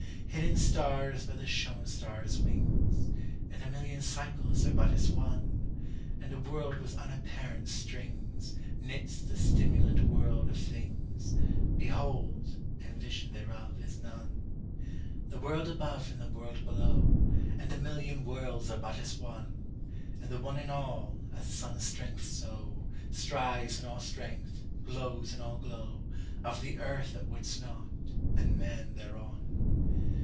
28Hidden stars by the shown stars' wings,29(And a million cycles are but as one)30And a world with unapparent strings31Knits the stimulant world of things;32Behold, and vision thereof is none.33The world above in the world below,34(And a million worlds are but as one)35And the One in all; as the sun's strength so36Strives in all strength, glows in all glow37Of the earth that wits not, and man thereon.